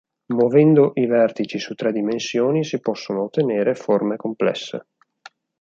Muovendo i vertici su tre dimensioni si possono ottenere forme complesse.